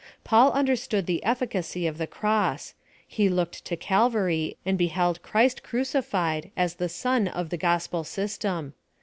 Paul understood the effi cacy of the cross. He looked to Calvary and be held Christ crucified as the sun of the gospel sys tem.